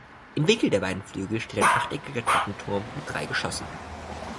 Im Winkel der beiden Flügel steht ein achteckiger Treppenturm mit drei Geschossen.